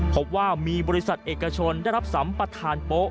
พบว่ามีบริษัทเอกชนได้รับสำปัดฐาน